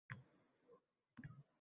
Sochida qirov…